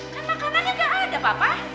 kan makanannya gak ada papa